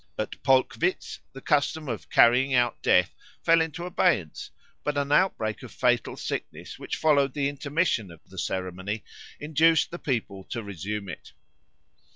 At Polkwitz the custom of "Carrying out Death" fell into abeyance; but an outbreak of fatal sickness which followed the intermission of the ceremony induced the people to resume it.